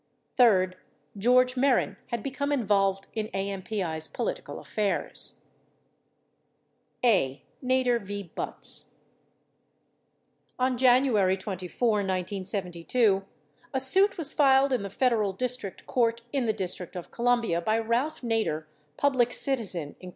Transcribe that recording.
Third, George Mehren had become involved in AMPI's polit ical affairs. a. Nader v. Butz On January 24, 1972, a suit was filed in the Federal District Court in the District of Columbia by Ralph Nader, Public Citizen, Inc.